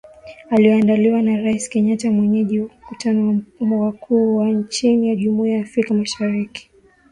iliyoandaliwa na Rais Kenyatta mwenyeji wa mkutano wa wakuu wa nchi za jumuia ya Afrika mashariki